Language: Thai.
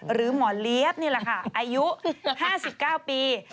หรือหมอเลี้ยบนี่แหละค่ะอายุ๕๙ปี